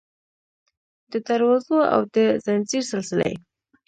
د دروازو او د ځنځیر سلسلې